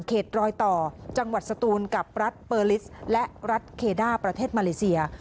รอยต่อจังหวัดสตูนกับรัฐเปอร์ลิสและรัฐเคด้าประเทศมาเลเซีย